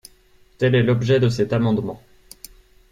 Tel est l’objet de cet amendement.